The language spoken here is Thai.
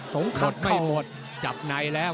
หมดไม่หมดจับไหนแล้ว